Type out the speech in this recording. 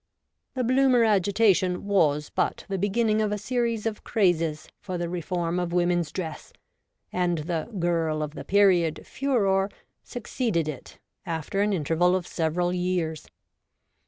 The Bloomer agitation was but the beginning of a series of crazes for the reform of women's dress, and the ' Girl of the Period ' furore succeeded it, after an interval of several years.